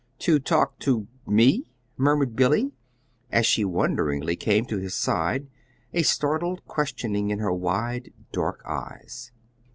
"To talk to me?" murmured Billy, as she wonderingly came to his side, a startled questioning in her wide dark eyes.